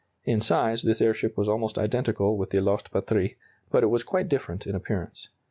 In size this airship was almost identical with the lost "Patrie," but it was quite different in appearance.